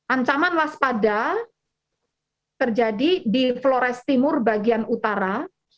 ancaman waspada terjadi di flores timur bagian utara